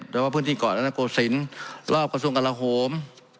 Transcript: แล้วก็พื้นที่เกาะและนักโกศิลป์รอบกระทรวงกราโฮม